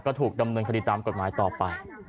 ก็ถูกดำเนินคดีตามกฎหมายต่อไป